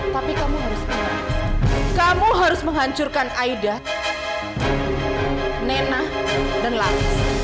tapi kamu harus menghancurkan aida nena dan laras